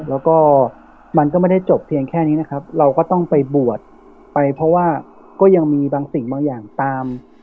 แล้วก็มันก็ไม่ได้จบเพียงแค่นี้นะครับเราก็ต้องไปบวชไปเพราะว่าก็ยังมีบางสิ่งบางอย่างตาม